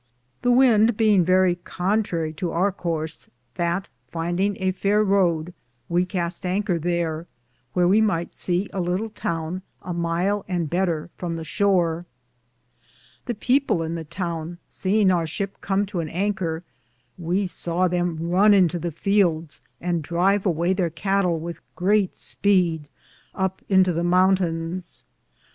The wynde beinge verrie contrarie to our cource, that findinge a faire Roode, we Caste anker thare, wheare we myghte se a litle towne, a myle and better from the shore. The people in the towne, seeinge our shipp com to an anker, we sawe them Rune into the felds and drive awaye there Cattell with greate speede up into the mountaines.